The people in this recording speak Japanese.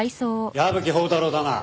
矢吹宝太郎だな？